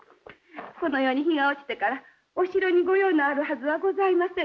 このように日が落ちてからお城に御用のあるはずはございませんもの。